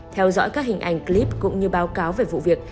theo dõi các hình ảnh clip cũng như báo cáo về vụ việc